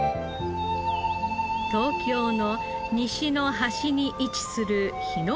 東京の西の端に位置する檜原村。